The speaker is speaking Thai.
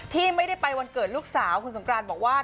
ที่ไม่ได้ไปวันเกิดลูกสาวคุณสงกรานบอกว่า